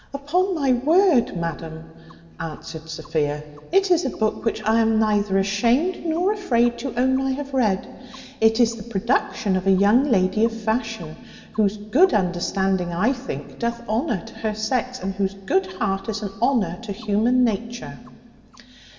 "Upon my word, madam," answered Sophia, "it is a book which I am neither ashamed nor afraid to own I have read. It is the production of a young lady of fashion, whose good understanding, I think, doth honour to her sex, and whose good heart is an honour to human nature."